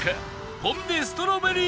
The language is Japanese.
ポン・デ・ストロベリー。